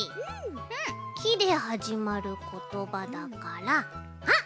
「き」ではじまることばだからあっ！